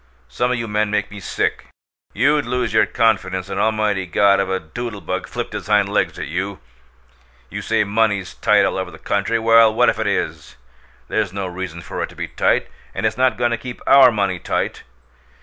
Some o' you men make me sick! You'd lose your confidence in Almighty God if a doodle bug flipped his hind leg at you! You say money's tight all over the country. Well, what if it is? There's no reason for it to be tight, and it's not goin' to keep OUR money tight!